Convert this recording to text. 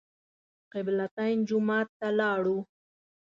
قبله تین جومات ته لاړو.